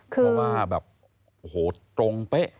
เพราะว่าแบบโอ้โหตรงเป๊ะ